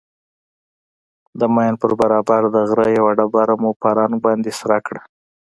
د ماين پر برابر د غره يوه ډبره مو په رنگ باندې سره کړه.